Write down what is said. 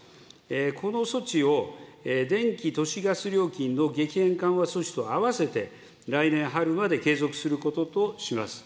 この措置を電気・都市ガス料金の激変緩和措置とあわせて、来年春まで継続することとします。